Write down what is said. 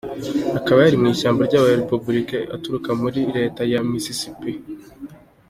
Akaba yari mu ishyaka ry’abarepubulike uturuka muri leta ya Mississippi.